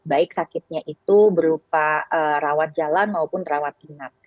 baik sakitnya itu berupa rawat jalan maupun rawat inap